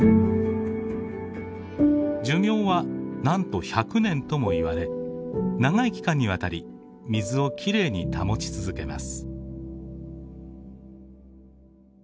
寿命はなんと１００年ともいわれ長い期間にわたり水をきれいに保ち続けます。